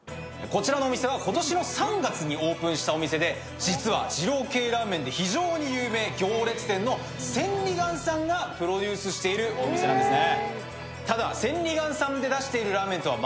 こちらのお店は今年３月にオープンしたお店で、実は二郎系ラーメンで非常に有名、千里眼さんがプロデュースしているお店なんですね。